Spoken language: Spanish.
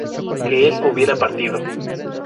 que él hubiera partido